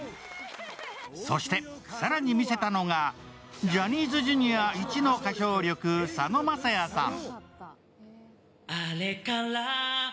そして更に見せたのがジャニーズＪｒ．一の歌唱力、佐野晶哉さん。